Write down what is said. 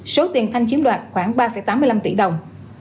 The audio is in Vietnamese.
số tiền thanh chiếm đoạt khoảng ba tám mươi năm tỷ đồng